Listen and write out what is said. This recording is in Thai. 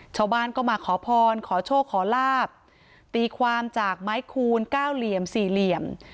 ชาวบ้านก็มาขอพรขอโชคขอลาบตีความจากไม้คูณเก้าเหลี่ยมสี่เหลี่ยม